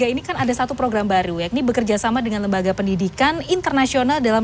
ini kan ada satu program baru yakni bekerjasama dengan lembaga pendidikan internasional dalam